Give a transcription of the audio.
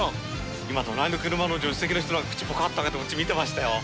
今、隣の車の助手席の人が口ぽかっと開けて、こっち見てましたよ。